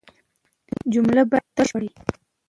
جمله باید تل بشپړه يي.